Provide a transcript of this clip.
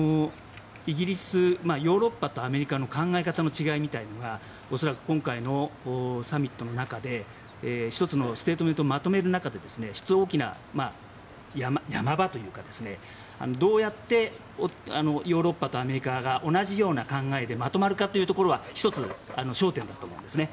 ヨーロッパとアメリカの考え方の違いみたいなのが恐らく、今回のサミットの中で１つのステートメントをまとめる中で非常に大きな山場といいますかどうやってヨーロッパとアメリカが同じような考えでまとまるかというところが１つ、焦点だと思うんですね。